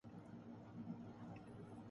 حلقۂ وفاداران کی پہلے کی گرج چمک نہیںرہی۔